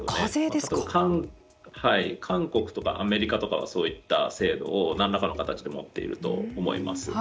あと韓国とかアメリカとかはそういった制度を何らかの形で持っていると思います。